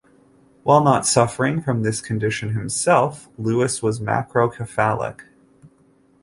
While not suffering from this condition himself, Louis was macrocephalic.